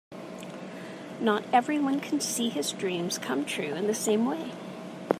Not everyone can see his dreams come true in the same way.